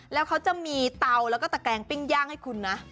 แล้วเขาจะมีเตาแล้วก็ตะแกงปิ้งย่างให้คุณนะ